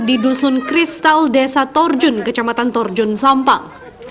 di dusun kristal desa torjun kecamatan torjun sampang